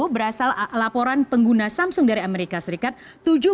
berasal laporan pengguna samsung dari amerika serikat